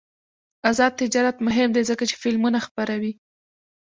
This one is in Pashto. آزاد تجارت مهم دی ځکه چې فلمونه خپروي.